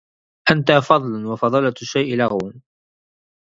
أنت فضل وفضلة الشيء لغو